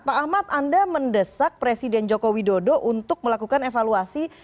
pak ahmad anda mendesak presiden joko widodo untuk melakukan evaluasi